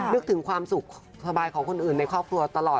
นึกถึงความสุขสบายของคนอื่นในครอบครัวตลอด